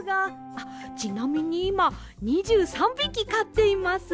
あっちなみにいま２３びきかっています。